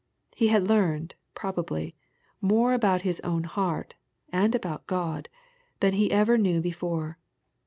He had learned, probably, more about his own heart, and about God, than he ever knew before.